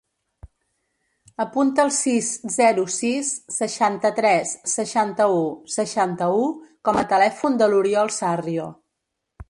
Apunta el sis, zero, sis, seixanta-tres, seixanta-u, seixanta-u com a telèfon de l'Oriol Sarrio.